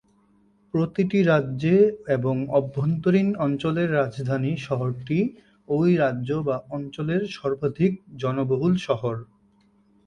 প্রতিটি রাজ্যে এবং অভ্যন্তরীণ অঞ্চলের রাজধানী শহরটি ওই রাজ্য বা অঞ্চলের সর্বাধিক জনবহুল শহর।